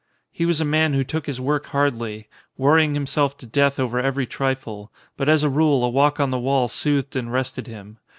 He was a man who took his work hardly, worry ing himself to death over every trifle, but as a rule a walk on the wall soothed and rested him.